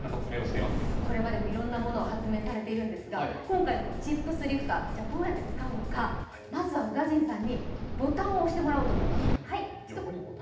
これまでもいろんなものを発明されているんですが、今回のチップスリフター、どうやって使うのか、まずは宇賀神さんにボタンを押してもらおうと思います。